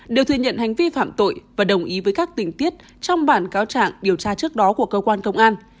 đều thừa nhận hành vi phạm tội và đồng ý với các tình tiết trong bản cáo trạng điều tra trước đó của cơ quan công an